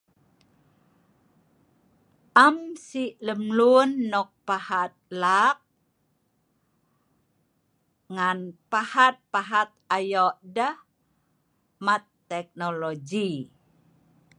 Am si lem lun nok pahat laak ngan pahat pahat ayo deh mat teknologi